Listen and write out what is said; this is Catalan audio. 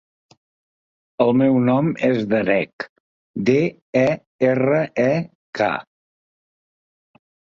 El meu nom és Derek: de, e, erra, e, ca.